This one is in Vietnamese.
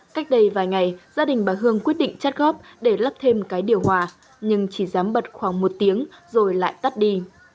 cách đây vài ngày gia đình bà hương quyết định chắt góp để lắp thêm cái điều hòa nhưng chỉ dám bật khoảng một tiếng rồi lại tắt đi